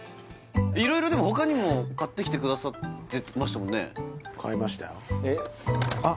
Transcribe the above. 色々でも他にも買ってきてくださってましたもんね買いましたよあっえっ？